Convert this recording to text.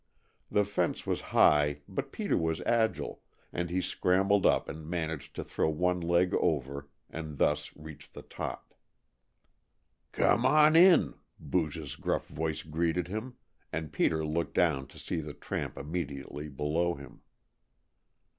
The fence was high but Peter was agile, and he scrambled up and managed to throw one leg over, and thus reached the top. "Come on in," Booge's gruff voice greeted him, and Peter looked down to see the tramp immediately below him.